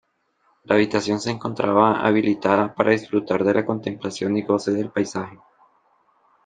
La habitación se encontraba habilitada para disfrutar de la contemplación y goce del paisaje.